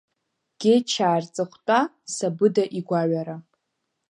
Гьечаа рҵыхәтәа, сабыда игәаҩара.